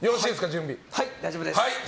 はい、大丈夫です！